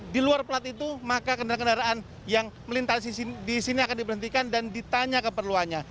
di luar plat itu maka kendaraan kendaraan yang melintasi di sini akan diberhentikan dan ditanya keperluannya